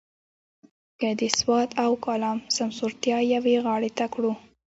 که د سوات او کالام سمسورتیا یوې غاړې ته کړو.